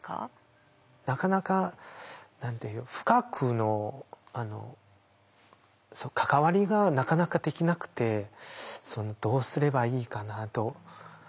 なかなか深くの関わりがなかなかできなくてどうすればいいかなと思って。